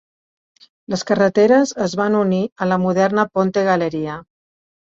Les carreteres es van unir a la moderna Ponte Galeria.